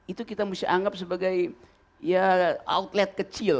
itu kita harus anggap sebagai outlet kecil